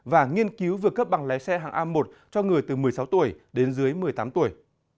và nghiên cứu vừa cấp bằng lái xe hàng a một cho người từ một mươi sáu tuổi đến dưới một mươi tám tuổi